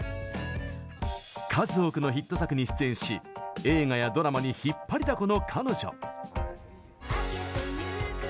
数多くのヒット作に出演し映画やドラマに引っ張りだこの彼女。